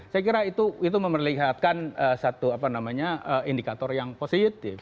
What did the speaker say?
saya kira itu memerlihatkan satu apa namanya indikator yang positif